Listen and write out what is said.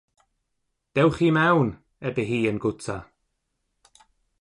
“Dewch i mewn”, ebe hi yn gwta.